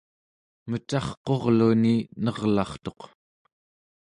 mecarqurluni nerlartuq